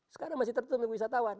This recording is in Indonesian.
sekarang masih tertutup wisatawan